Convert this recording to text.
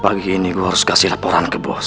pagi ini gue harus kasih laporan ke bos